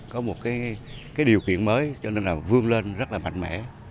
có một điều kiện mới cho nên vương lên rất mạnh mẽ